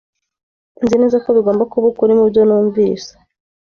Nzi neza ko bigomba kuba ukuri mubyo numvise.